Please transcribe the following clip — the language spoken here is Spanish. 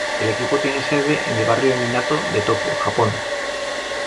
El equipo tiene sede en el barrio Minato de Tokio, Japón.